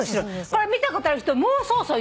これ見たことある人「そうそう！」